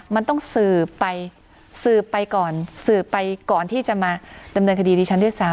มันต้องสืบไปก่อนที่จะมาดำเนินคดีดิฉันด้วยซ้ำ